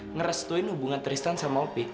ngerestuin hubungan tristan sama opik